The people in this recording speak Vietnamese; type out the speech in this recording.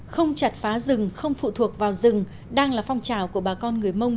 không chặt phá rừng không phụ thuộc vào rừng đang là phong trào của bà con người mông